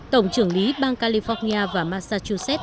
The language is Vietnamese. tổng trưởng lý bang california và massachusetts